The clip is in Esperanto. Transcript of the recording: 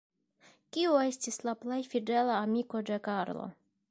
Kiu estis la plej fidela amiko de Karlo?